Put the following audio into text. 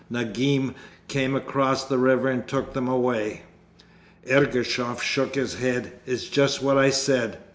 Nagim came across the river and took them away.' Ergushov shook his head. 'It's just what I said.